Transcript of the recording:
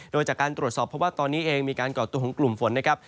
โดยจากการตรวจสอบเพราะว่าตอนนี้เองมีการก่อตัวของกลุ่มฝนนะครับ